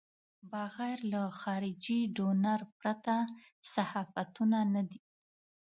بغیر له خارجي ډونر پرته صحافتونه نه دي.